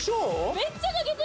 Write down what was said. めっちゃかけてる。